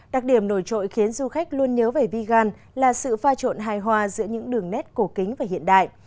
đặc điểm nổi trội khiến du khách luôn nhớ về vi gan là sự pha trộn hài hòa giữa những đường nét cổ kính và hiện đại